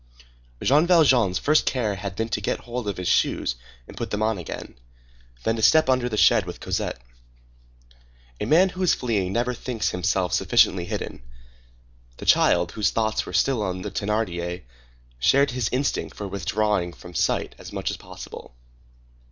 Jean Valjean's first care had been to get hold of his shoes and put them on again, then to step under the shed with Cosette. A man who is fleeing never thinks himself sufficiently hidden. The child, whose thoughts were still on the Thénardier, shared his instinct for withdrawing from sight as much as possible.